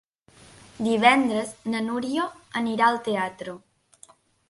Divendres na Núria anirà al teatre.